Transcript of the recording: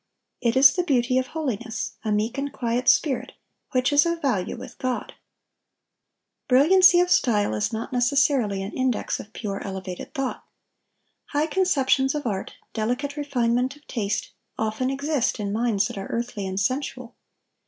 It is the beauty of holiness, a meek and quiet spirit, which is of value with God. Brilliancy of style is not necessarily an index of pure, elevated thought. High conceptions of art, delicate refinement of taste, often exist in minds that are earthly and sensual.